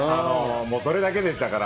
それだけでしたから。